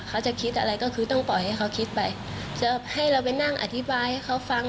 เขาจะคิดอะไรก็คือต้องปล่อยให้เขาคิดไปจะให้เราไปนั่งอธิบายให้เขาฟัง